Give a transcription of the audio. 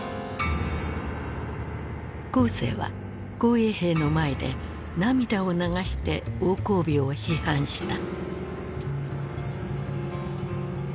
江青は紅衛兵の前で涙を流して王光美を批判した。